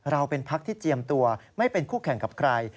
เราเป็นพักที่เจียมตัวไม่เป็นคู่แข่งกับใคร